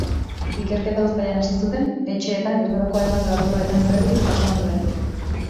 Ikerketa uztailean hasi zuten, etxeetan gertatutako hainbat lapurreten berri jaso ondoren.